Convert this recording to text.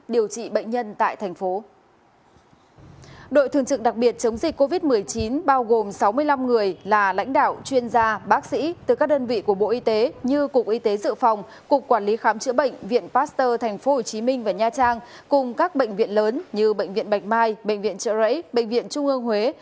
điều trị bệnh nhân tại bao gồm sáu mươi năm người là lãnh đạo chuyên gia bác sĩ từ các đơn vị của bộ y tế như cục y tế dự phòng cục quản lý khám chữa bệnh viện pasteur tp hcm và nha trang cùng các bệnh viện lớn như bệnh viện bạch mai bệnh viện trợ rẫy bệnh viện trung ương huế